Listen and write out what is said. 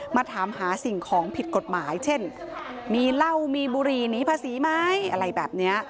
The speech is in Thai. มาถามหาสิ่งของผิดกฎหมายเช่นมีเหล้ามีบุหรี่หนีภาษีไหมอะไรแบบนี้